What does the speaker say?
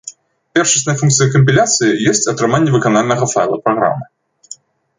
Першаснай функцыяй кампіляцыі ёсць атрыманне выканальнага файла праграмы.